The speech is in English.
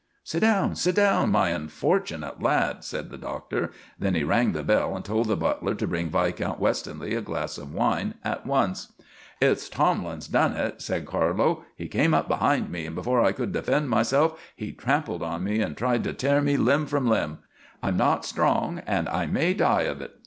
"Sit down, sit down, my unfortunate lad," said the Doctor. Then he rang the bell and told the butler to bring Viscount Westonleigh a glass of wine at once. "It's Tomlin done it," said Carlo. "He came up behind me, and, before I could defend myself, he trampled on me and tried to tear me limb from limb. I'm not strong, and I may die of it.